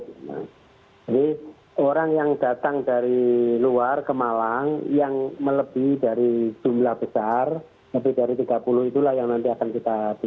jadi orang yang datang dari luar ke malang yang melebih dari jumlah besar lebih dari tiga puluh itulah yang nanti akan kita pilih